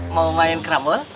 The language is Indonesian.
mau main kramel